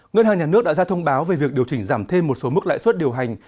ngân hàng nhà nước đã ra thông báo về việc điều chỉnh giảm thêm một số mức lãi suất điều hành